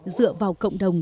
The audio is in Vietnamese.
dựa vào cộng đồng